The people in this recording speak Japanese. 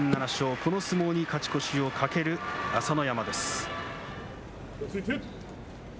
この相撲に勝ち越しをかける朝乃山です。